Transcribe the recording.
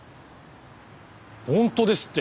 本当ですって。